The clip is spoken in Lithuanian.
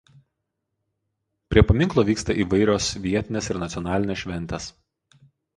Prie paminklo vyksta įvairios vietinės ir nacionalinės šventės.